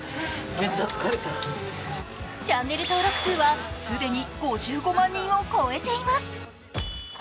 チャンネル登録数は既に５５万人を超えています。